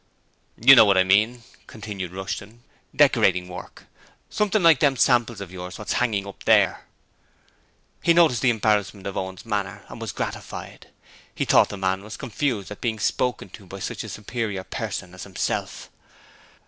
'You know what I mean,' continued Rushton; 'decorating work, something like them samples of yours what's hanging up there.' He noticed the embarrassment of Owen's manner, and was gratified. He thought the man was confused at being spoken to by such a superior person as himself.